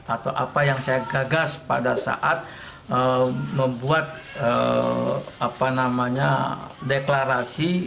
atau apa yang saya gagas pada saat membuat deklarasi